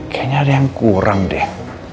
kayaknya ada yang kurang deh